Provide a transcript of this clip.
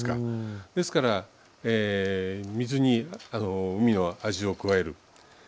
ですから水に海の味を加える。